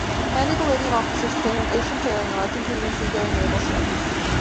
Many Bolivian officers train in ocean sailing on Argentinian seagoing naval ships.